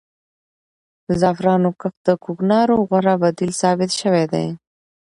د زعفرانو کښت د کوکنارو غوره بدیل ثابت شوی دی.